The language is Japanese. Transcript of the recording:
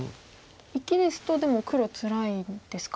生きですとでも黒つらいんですか。